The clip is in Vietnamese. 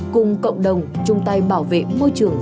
cùng cộng đồng chung tay bảo vệ môi trường